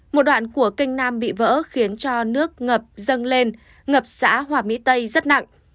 một đoạn của canh nam bị vỡ khiến cho nước ngập dâng lên ngập xã hòa mỹ tây rất nặng